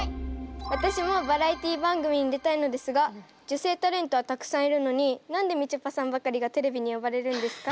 私もバラエティー番組に出たいのですが女性タレントはたくさんいるのに何でみちょぱさんばかりがテレビに呼ばれるんですか？